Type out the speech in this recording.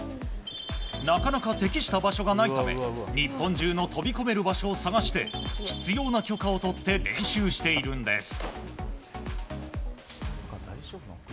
なかなか適した場所がないため日本中の飛び込める場所を探して必要な許可を取って練習しているんです。